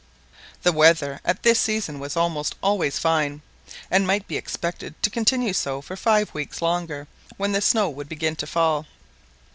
The weather at this season was almost always fine, and might be expected to continue so for five weeks longer, when the snow would begin to fall.